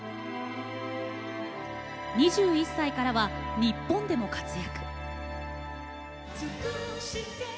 ２１歳からは日本でも活躍。